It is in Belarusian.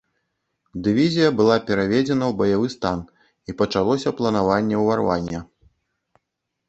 Дывізія была пераведзена ў баявы стан і пачалося планаванне ўварвання.